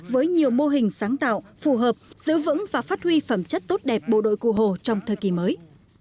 với nhiều mô hình sáng tạo phù hợp giữ vững và phát huy phẩm chất tốt đẹp bộ đội cụ hồ trong thời kỳ mới